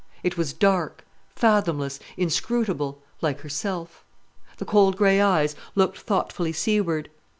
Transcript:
It was dark, fathomless, inscrutable, like herself. The cold grey eyes looked thoughtfully seaward.